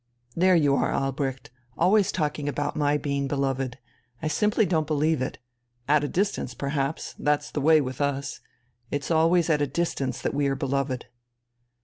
"There you are, Albrecht, always talking about my being beloved. I simply don't believe it. At a distance, perhaps that's the way with us. It's always at a distance that we are beloved."